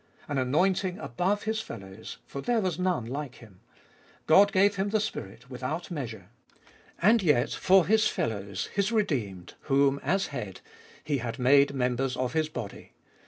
An anointing above His fellows, for there was none like Him ; God gave Him the Spirit without measure. And yet for His fellows, His redeemed, whom, as Head, He had made members of His body.